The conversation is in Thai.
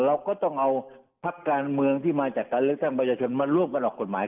เราก็ต้องเอาพักการเมืองที่มาจากการเลือกตั้งประชาชนมาร่วมกันออกกฎหมาย